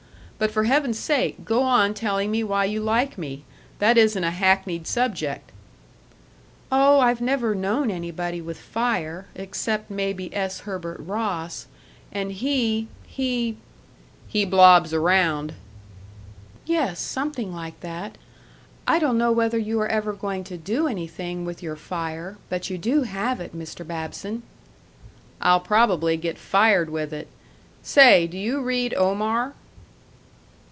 But for heaven's sake go on telling me why you like me. That isn't a hackneyed subject." "Oh, I've never known anybody with fire, except maybe S. Herbert Ross, and he he " "He blobs around." "Yes, something like that. I don't know whether you are ever going to do anything with your fire, but you do have it, Mr. Babson!" "I'll probably get fired with it.... Say, do you read Omar?"